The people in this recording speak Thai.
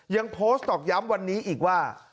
ยังโพสต์ตอกย้ำวันนี้อีกว่า